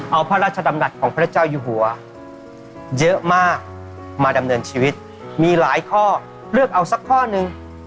เอาพระราชดำรัฐของพระเจ้าอยู่หัวเยอะมากมาดำเนินชีวิตมีหลายข้อเลือกเอาสักข้อนึง